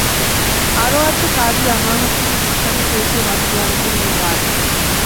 আরও আছে, কাজী আনোয়ার হোসেনের বিখ্যাত চরিত্র মাসুদ রানাকে নিয়ে গান।